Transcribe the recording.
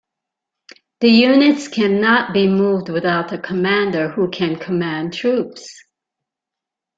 The units cannot be moved without a commander who can command troops.